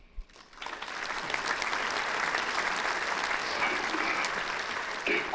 さようなら黎子。